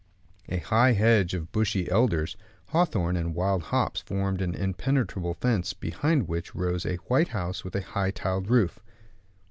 A high hedge of bushy elders, hawthorn, and wild hops formed an impenetrable fence, behind which rose a white house, with a high tiled roof.